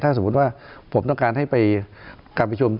ถ้าสมมุติว่าผมต้องการให้ไปการปริศนิยม